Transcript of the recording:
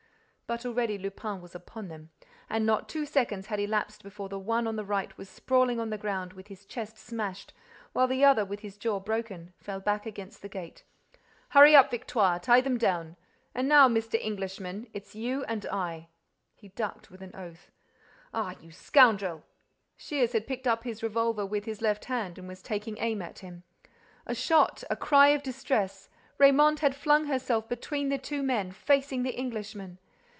But already Lupin was upon them: and not two seconds had elapsed before the one on the right was sprawling on the ground, with his chest smashed, while the other, with his jaw broken, fell back against the gate. "Hurry up, Victoire. Tie them down. And now, Mr. Englishman, it's you and I." He ducked with an oath: "Ah, you scoundrel!" Shears had picked up his revolver with his left hand and was taking aim at him. A shot—a cry of distress—Raymonde had flung herself between the two men, facing the Englishman.